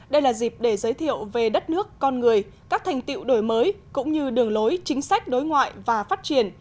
đây là dịp để giới thiệu về đất nước con người các thành tiệu đổi mới cũng như đường lối chính sách đối ngoại và phát triển